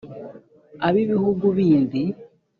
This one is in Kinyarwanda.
Ab'ibihugu bindi